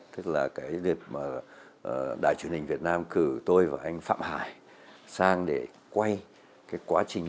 tức là cái dịp mà đài truyền hình việt nam cử tôi và anh phạm hải sang để quay cái quá trình